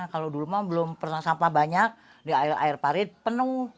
kalau dulu mah belum pernah sampah banyak di air parit penuh